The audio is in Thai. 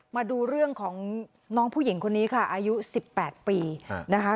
มาดูเรื่องของน้องผู้หญิงคนนี้ค่ะอายุ๑๘ปีนะคะ